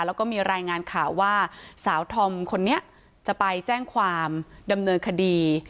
แล้วก็มีรายงานข่าวว่าสาวธอมคนนี้จะไปแจ้งความดำเนินคดี